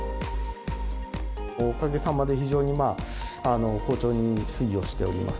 おかげさまで非常に好調に推移をしております。